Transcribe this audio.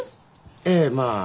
ええまあ。